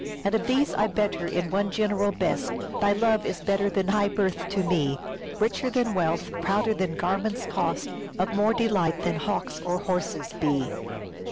All these I better in one general best, Thy love is better than high birth to me, Richer than wealth, prouder than garments' cost, Of more delight than hawks or horses be."